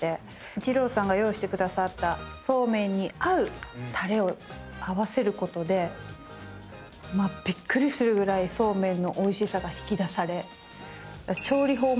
二郎さんが用意してくださったそうめんに合うたれを合わせることでびっくりするぐらいそうめんのおいしさが引き出され。